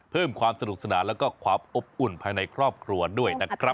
เพิ่มความสนุกสนานแล้วก็ความอบอุ่นภายในครอบครัวด้วยนะครับ